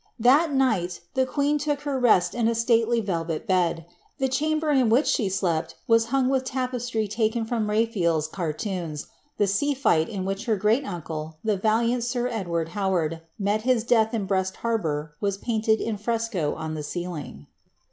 * That night the queen took her rest in a stately velvet bed ; the chamber in which she slept was hung with tapestry taken from RaphaePs cartoons; the sea fight in which her great uncle, the valiant sir Edward Howard, met his death in Brest har bour, was painted in fresco on the ceiling.